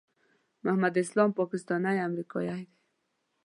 محمد اسلام پاکستانی امریکایی دی.